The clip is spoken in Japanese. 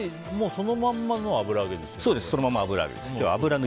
そのままの油揚げです。